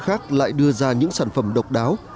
khác lại đưa ra những sản phẩm độc đáo